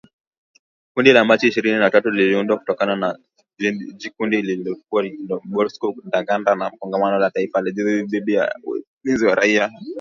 Kundi la Machi ishirini na tatu liliundwa kutoka kwa kundi lililokuwa likiongozwa na Jenerali Bosco Ntaganda, la kongamano la taifa dhidi ya ulinzi ya raia